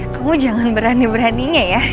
kamu jangan berani beraninya ya